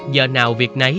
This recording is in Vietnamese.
giờ nào việc nấy